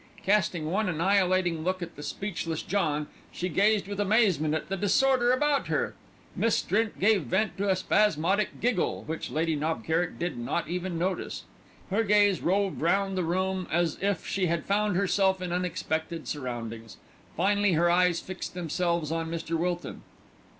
Casting one annihilating look at the speechless John, she gazed with amazement at the disorder about her. Miss Strint gave vent to a spasmodic giggle, which Lady Knob Kerrick did not even notice. Her gaze roved round the room as if she had found herself in unexpected surroundings. Finally her eyes fixed themselves on Mr. Wilton.